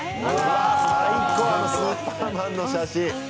最高、あのスーパーマンの写真。